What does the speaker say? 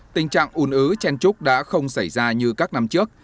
tình trạng ùn ứ chen trúc đã không xảy ra như các năm trước